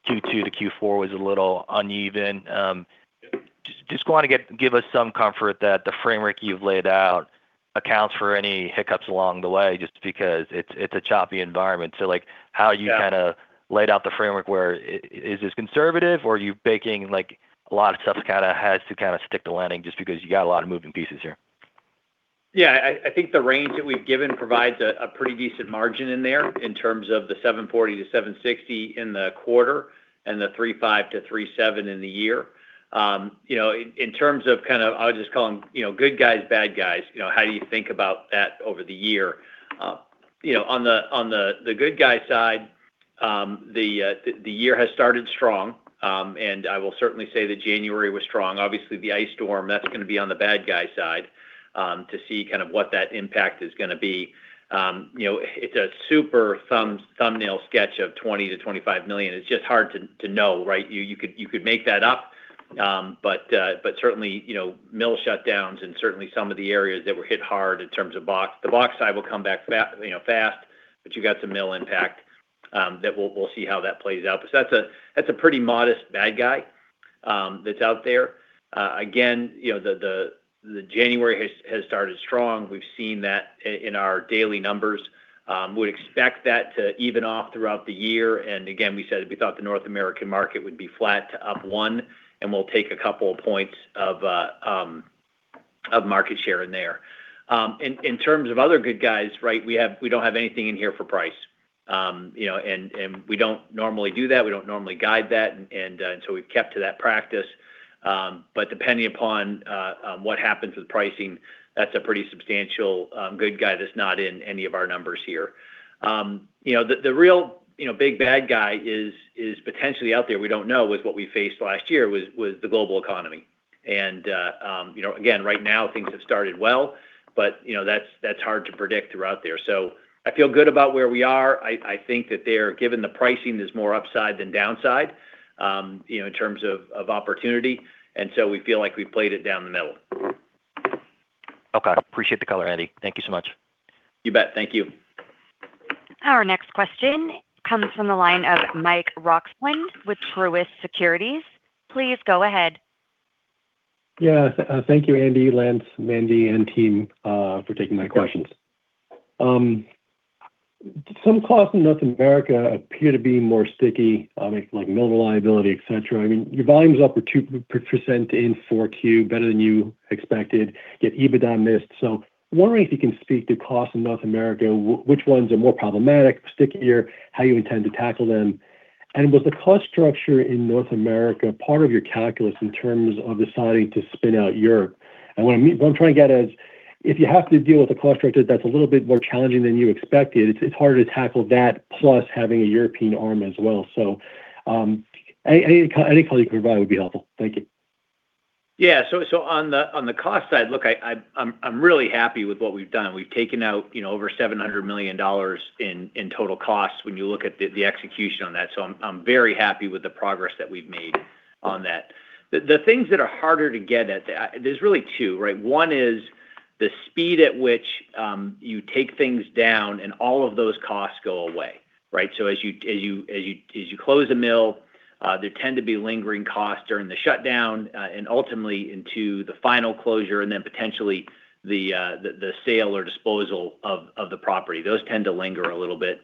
Q2 to Q4 was a little uneven. Just wanna get-- give us some comfort that the framework you've laid out accounts for any hiccups along the way, just because it's a choppy environment. So, like, how you- Yeah... kinda laid out the framework where is this conservative, or are you baking, like, a lot of stuff kinda has to kinda stick the landing just because you got a lot of moving pieces here? Yeah, I think the range that we've given provides a pretty decent margin in there in terms of the $740-$760 in the quarter and the $3.5-$3.7 in the year. You know, in terms of kind of, I'll just call them, you know, good guys, bad guys, you know, how do you think about that over the year? You know, on the good guy side, the year has started strong, and I will certainly say that January was strong. Obviously, the ice storm, that's gonna be on the bad guy side, to see kind of what that impact is gonna be. You know, it's a super thumbnail sketch of $20 million-$25 million. It's just hard to know, right? You could make that up, but certainly, you know, mill shutdowns and certainly some of the areas that were hit hard in terms of box. The box side will come back, you know, fast, but you got some mill impact that we'll see how that plays out. But that's a pretty modest bad guy that's out there. Again, you know, the January has started strong. We've seen that in our daily numbers. Would expect that to even off throughout the year, and again, we said we thought the North American market would be flat to up 1, and we'll take a couple of points of market share in there. In terms of other good guys, right, we have. We don't have anything in here for price. You know, and we don't normally do that. We don't normally guide that, and so we've kept to that practice, but depending upon what happens with pricing, that's a pretty substantial good guy that's not in any of our numbers here. You know, the real, you know, big, bad guy is potentially out there, we don't know, with what we faced last year was the global economy. And you know, again, right now, things have started well, but you know, that's hard to predict throughout the year. So I feel good about where we are. I think that they are, given the pricing, there's more upside than downside, you know, in terms of opportunity, and so we feel like we've played it down the middle. Okay. Appreciate the color, Andy. Thank you so much. You bet. Thank you. Our next question comes from the line of Mike Roxland with Truist Securities. Please go ahead. Yeah, thank you, Andy, Lance, Mandi, and team, for taking my questions. Some costs in North America appear to be more sticky, like mill reliability, et cetera. I mean, your volume's up 2% in 4Q, better than you expected, yet EBITDA missed. So I'm wondering if you can speak to costs in North America, which ones are more problematic, stickier, how you intend to tackle them? And was the cost structure in North America part of your calculus in terms of deciding to spin out Europe? And what I mean, what I'm trying to get at is, if you have to deal with a cost structure that's a little bit more challenging than you expected, it's harder to tackle that, plus having a European arm as well. So, any color you can provide would be helpful. Thank you. Yeah. So on the cost side, look, I'm really happy with what we've done. We've taken out, you know, over $700 million in total costs when you look at the execution on that. So I'm very happy with the progress that we've made on that. The things that are harder to get at, there's really two, right? One is the speed at which you take things down, and all of those costs go away, right? So as you close a mill, there tend to be lingering costs during the shutdown, and ultimately into the final closure and then potentially the sale or disposal of the property. Those tend to linger a little bit.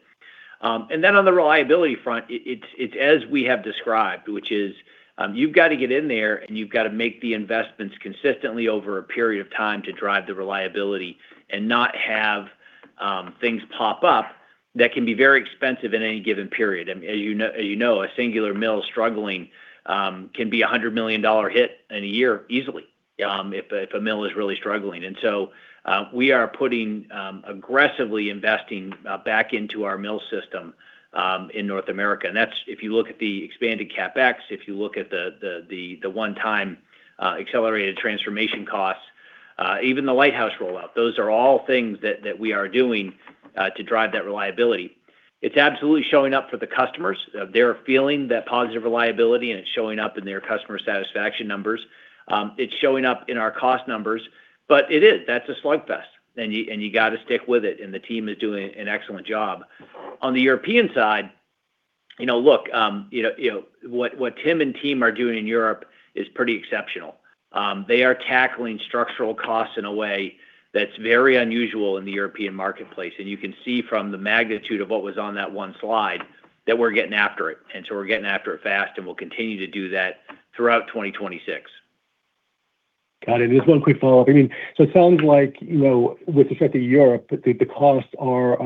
And then on the reliability front, it's as we have described, which is, you've got to get in there, and you've got to make the investments consistently over a period of time to drive the reliability and not have things pop up. That can be very expensive in any given period. And as you know, a singular mill struggling can be a $100 million hit in a year easily, if a mill is really struggling. And so, we are aggressively investing back into our mill system in North America. And that's if you look at the expanded CapEx, if you look at the one-time accelerated transformation costs, even the Lighthouse rollout, those are all things that we are doing to drive that reliability. It's absolutely showing up for the customers. They're feeling that positive reliability, and it's showing up in their customer satisfaction numbers. It's showing up in our cost numbers, but it is, that's a slugfest, and you, and you got to stick with it, and the team is doing an excellent job. On the European side, you know, look, you know, you know, what, what Tim and team are doing in Europe is pretty exceptional. They are tackling structural costs in a way that's very unusual in the European marketplace, and you can see from the magnitude of what was on that one slide that we're getting after it. And so we're getting after it fast, and we'll continue to do that throughout 2026. Got it. Just one quick follow-up. I mean, so it sounds like, you know, with respect to Europe, the costs are,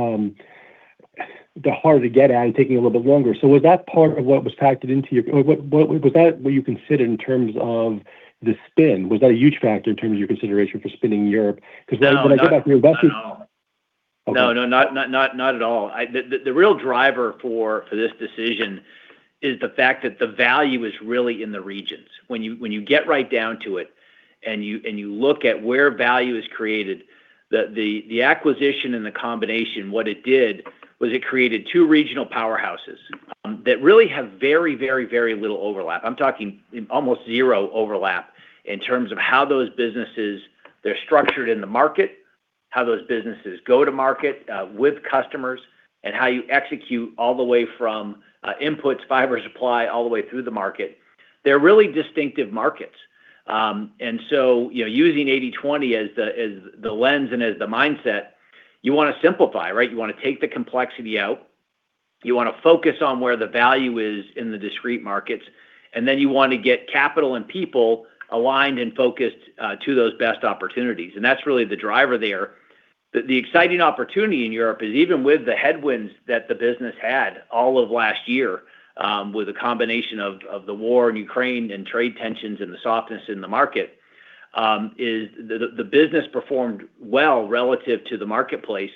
they're harder to get at and taking a little bit longer. So was that part of what was factored into your-- or what was that what you considered in terms of the spin? Was that a huge factor in terms of your consideration for spinning Europe? No, not at all. Because when I get back to your investment- No, not at all. The real driver for this decision is the fact that the value is really in the regions. When you get right down to it, and you look at where value is created, the acquisition and the combination, what it did was it created two regional powerhouses that really have very, very, very little overlap. I'm talking almost zero overlap in terms of how those businesses, they're structured in the market, how those businesses go to market with customers, and how you execute all the way from inputs, fiber supply, all the way through the market. They're really distinctive markets. And so, you know, using 80/20 as the lens and as the mindset, you wanna simplify, right? You wanna take the complexity out, you wanna focus on where the value is in the discrete markets, and then you want to get capital and people aligned and focused to those best opportunities. That's really the driver there. The exciting opportunity in Europe is even with the headwinds that the business had all of last year, with a combination of the war in Ukraine and trade tensions and the softness in the market, is the business performed well relative to the marketplace,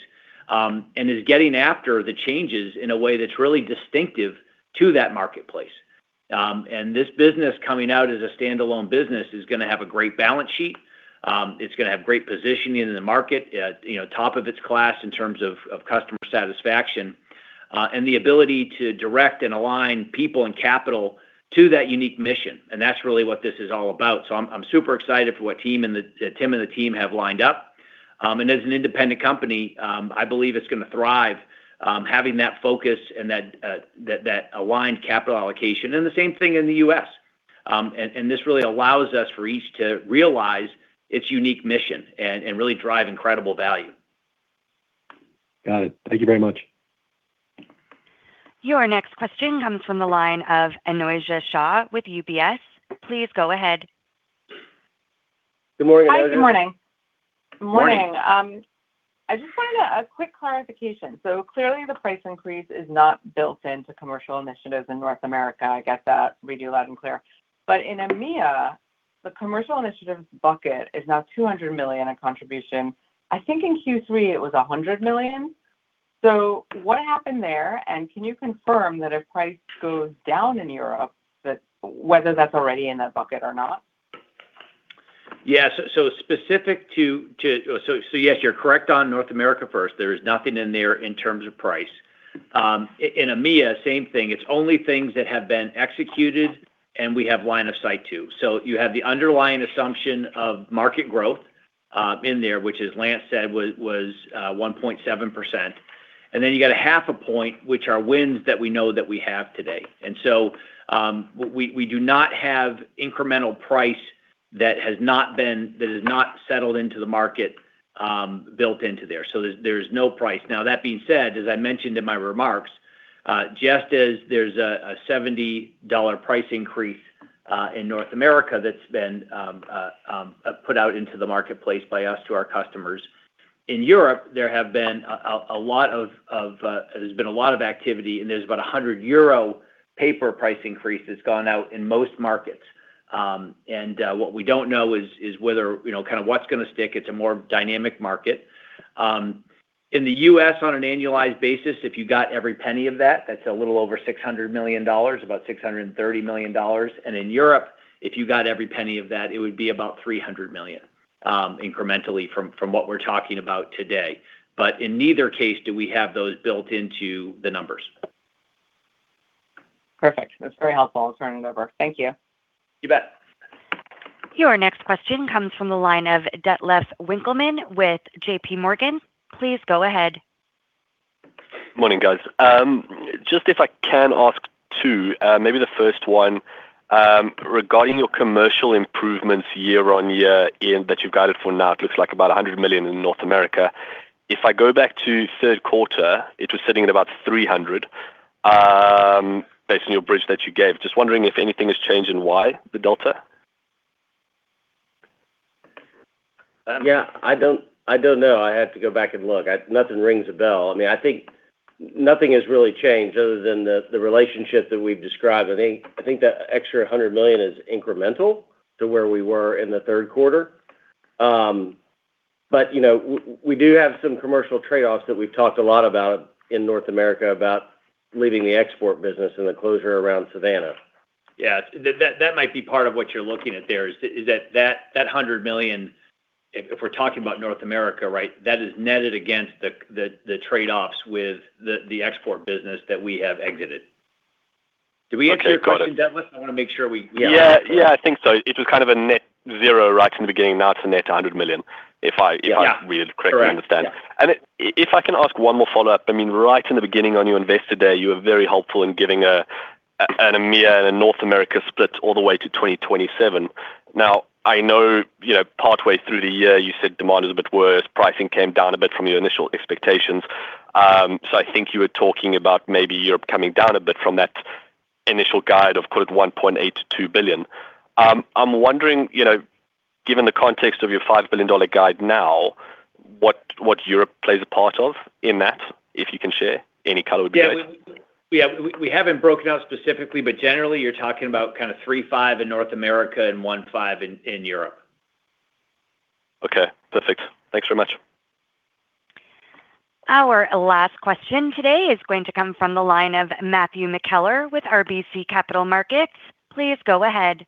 and is getting after the changes in a way that's really distinctive to that marketplace. This business coming out as a standalone business is gonna have a great balance sheet. It's gonna have great positioning in the market, you know, top of its class in terms of customer satisfaction, and the ability to direct and align people and capital to that unique mission, and that's really what this is all about. So I'm super excited for what Tim and the team have lined up. And as an independent company, I believe it's gonna thrive, having that focus and that aligned capital allocation, and the same thing in the U.S. And this really allows us for each to realize its unique mission and really drive incredible value. Got it. Thank you very much. Your next question comes from the line of Anojja Shah with UBS. Please go ahead. Good morning, Anojja. Hi, good morning. Good morning. Good morning. I just wanted a quick clarification. So clearly, the price increase is not built into commercial initiatives in North America. I get that. We do loud and clear. But in EMEA, the commercial initiatives bucket is now $200 million in contribution. I think in Q3, it was $100 million. So what happened there, and can you confirm that if price goes down in Europe, that whether that's already in that bucket or not? Yeah. So specific to—so yes, you're correct on North America first. There is nothing in there in terms of price. In EMEA, same thing. It's only things that have been executed, and we have line of sight to. So you have the underlying assumption of market growth in there, which, as Lance said, was 1.7%, and then you got 0.5 point, which are wins that we know that we have today. And so, we do not have incremental price that has not been, that is not settled into the market built into there. So there's no price. Now, that being said, as I mentioned in my remarks, just as there's a $70 price increase in North America that's been put out into the marketplace by us to our customers. In Europe, there's been a lot of activity, and there's about a 100 euro paper price increase that's gone out in most markets. And what we don't know is whether, you know, kind of what's gonna stick. It's a more dynamic market. In the U.S., on an annualized basis, if you got every penny of that, that's a little over $600 million, about $630 million. And in Europe, if you got every penny of that, it would be about $300 million, incrementally from what we're talking about today. But in neither case do we have those built into the numbers. Perfect. That's very helpful. I'll turn it over. Thank you. You bet. Your next question comes from the line of Detlef Winckelmann with J.P. Morgan. Please go ahead. Morning, guys. Just if I can ask two, maybe the first one, regarding your commercial improvements year-on-year in that you've guided for now, it looks like about $100 million in North America. If I go back to third quarter, it was sitting at about $300 million, based on your bridge that you gave. Just wondering if anything has changed and why the delta? Yeah, I don't, I don't know. I have to go back and look. Nothing rings a bell. I mean, I think nothing has really changed other than the relationship that we've described. I think, I think that extra $100 million is incremental to where we were in the third quarter. But, you know, we do have some commercial trade-offs that we've talked a lot about in North America, about leaving the export business and the closure around Savannah. Yeah. That might be part of what you're looking at there, is that $100 million, if we're talking about North America, right, that is netted against the trade-offs with the export business that we have exited. Did we answer your question, Detlef? Okay, got it. I wanna make sure we- Yeah. Yeah, I think so. It was kind of a net zero right from the beginning, now it's a net $100 million, if I- Yeah... if I read correctly, understand. Correct, yeah. If I can ask one more follow-up, I mean, right in the beginning on your Investor Day, you were very helpful in giving an EMEA and North America split all the way to 2027. Now, I know, you know, partway through the year, you said demand is a bit worse, pricing came down a bit from your initial expectations. So I think you were talking about maybe you're coming down a bit from that initial guide of, quote, "$1.82 billion." I'm wondering, you know, given the context of your $5 billion guide now, what Europe plays a part of in that, if you can share, any color would be nice. Yeah, we haven't broken out specifically, but generally, you're talking about kind of $3.5 in North America and $1.5 in Europe. Okay, perfect. Thanks very much. Our last question today is going to come from the line of Matthew McKellar with RBC Capital Markets. Please go ahead.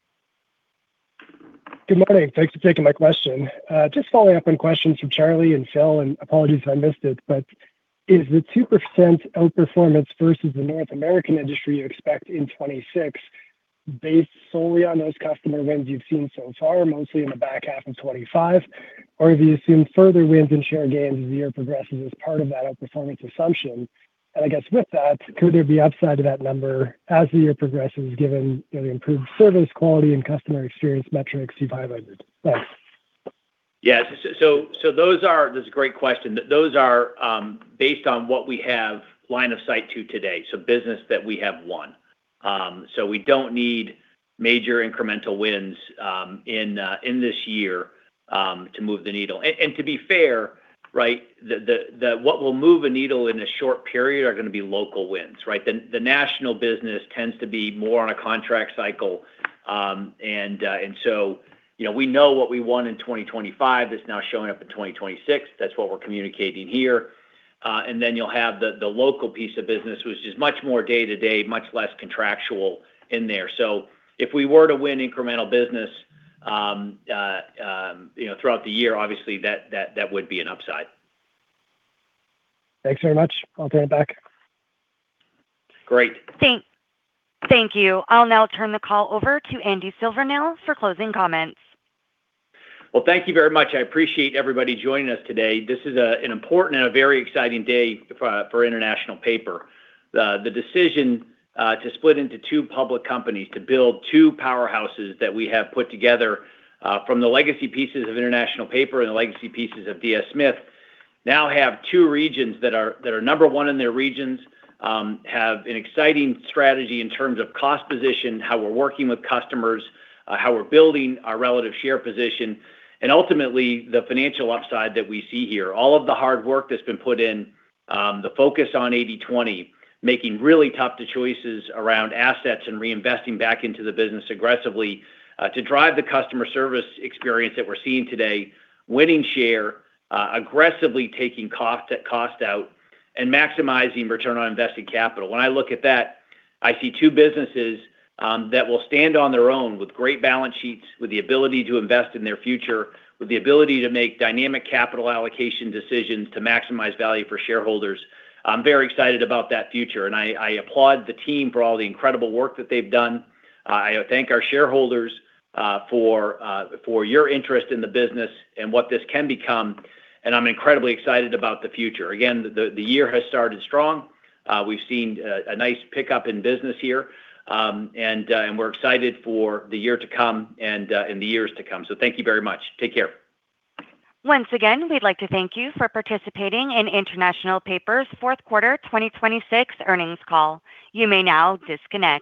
Good morning. Thanks for taking my question. Just following up on questions from Charlie and Phil, and apologies if I missed it, but is the 2% outperformance versus the North American industry you expect in 2026 based solely on those customer wins you've seen so far, mostly in the back half of 2025? Or have you seen further wins and share gains as the year progresses as part of that outperformance assumption? And I guess with that, could there be upside to that number as the year progresses, given the improved service quality and customer experience metrics you've highlighted? Thanks. Yes. So those are... That's a great question. Those are based on what we have line of sight to today, so business that we have won. So we don't need major incremental wins in this year to move the needle. And to be fair, right, what will move a needle in a short period are gonna be local wins, right? The national business tends to be more on a contract cycle. And so, you know, we know what we won in 2025, that's now showing up in 2026. That's what we're communicating here. And then you'll have the local piece of business, which is much more day-to-day, much less contractual in there. If we were to win incremental business, you know, throughout the year, obviously, that would be an upside. Thanks very much. I'll put it back. Great. Thank you. I'll now turn the call over to Andy Silvernail for closing comments. Well, thank you very much. I appreciate everybody joining us today. This is an important and a very exciting day for International Paper. The decision to split into two public companies, to build two powerhouses that we have put together from the legacy pieces of International Paper and the legacy pieces of DS Smith, now have two regions that are number one in their regions, have an exciting strategy in terms of cost position, how we're working with customers, how we're building our relative share position, and ultimately, the financial upside that we see here. All of the hard work that's been put in, the focus on 80/20, making really tough choices around assets and reinvesting back into the business aggressively, to drive the customer service experience that we're seeing today, winning share, aggressively taking cost-out, and maximizing return on investing capital. When I look at that, I see two businesses, that will stand on their own with great balance sheets, with the ability to invest in their future, with the ability to make dynamic capital allocation decisions to maximize value for shareholders. I'm very excited about that future, and I applaud the team for all the incredible work that they've done. I thank our shareholders, for your interest in the business and what this can become, and I'm incredibly excited about the future. Again, the year has started strong. We've seen a nice pickup in business here, and we're excited for the year to come and the years to come. So thank you very much. Take care. Once again, we'd like to thank you for participating in International Paper's fourth quarter 2026 earnings call. You may now disconnect.